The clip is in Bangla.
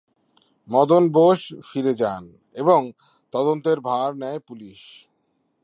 মদন বোস ফিরে যান এবং তদন্তের ভার নেয় পুলিশ।